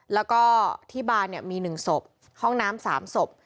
แล้วก็ที่บ้านมี๑ศพห้องน้ำ๓ศพ